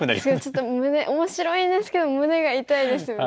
ちょっと面白いんですけど胸が痛いですよね。